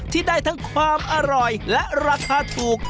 ที่ได้ทั้งความอร่อยและราคาถูก